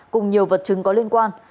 cùng nhiều vật chứng có liên quan